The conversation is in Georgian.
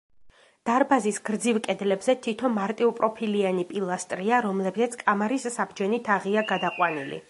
დარბაზის გრძივ კედლებზე თითო მარტივპროფილიანი პილასტრია, რომლებზეც კამარის საბჯენი თაღია გადაყვანილი.